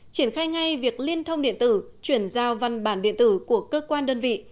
triển khai ngay việc liên thông điện tử chuyển giao văn bản điện tử của cơ quan đơn vị